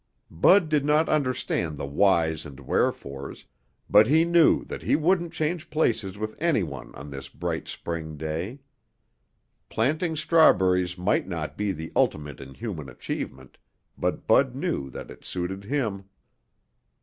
Bud did not understand the whys and wherefores, but he knew that he wouldn't change places with anyone on this bright spring day. Planting strawberries might not be the ultimate in human achievement, but Bud knew that it suited him.